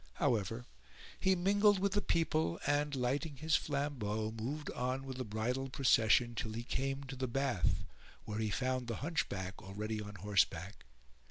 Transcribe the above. However, he mingled with the people and, lighting his flambeau, moved on with the bridal procession till he came to the bath where he found the Hunchback already on horseback.